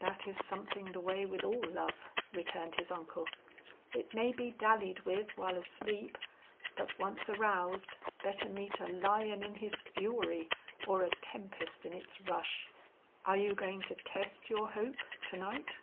"That is something the way with all love," returned his uncle. "It may be dallied with while asleep, but once aroused, better meet a lion in his fury or a tempest in its rush. Are you going to test your hope, to night?"